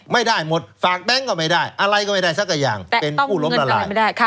ไม่ได้หมดฝากแบงค์ก็ไม่ได้อะไรก็ไม่ได้สักอย่างเป็นผู้ล้มละลาย